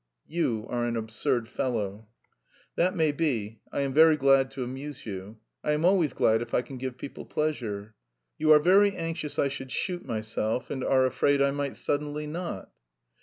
"You are an absurd fellow." "That may be; I am very glad to amuse you. I am always glad if I can give people pleasure." "You are very anxious I should shoot myself and are afraid I might suddenly not?"